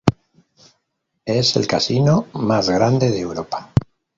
Es el casino más grande de Europa.